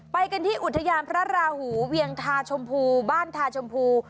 ไปกันที่อุทยานพระราหูเวียงทาชมพูบ้านทาชมพู